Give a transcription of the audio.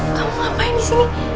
kamu ngapain disini